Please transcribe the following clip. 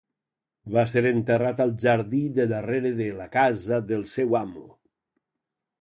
Va ser enterrat al jardí de darrere de la casa del seu amo.